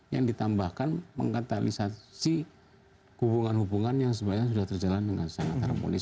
yang ditambahkan mengkaptalisasi hubungan hubungan yang sebenarnya sudah terjalan dengan sangat harmonis